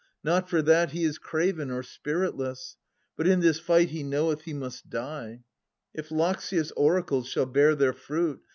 Not for that he is craven or spiritless, But in this fight he knoweth he must die — If Loxias' oracles shall bear their fruit.